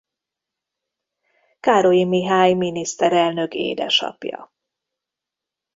Károlyi Mihály miniszterelnök édesapja.